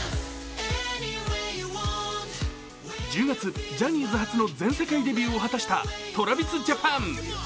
１０月、ジャニーズ初の全世界デビューを果たしたＴｒａｖｉｓＪａｐａｎ。